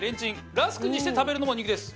ラスクにして食べるのも人気です。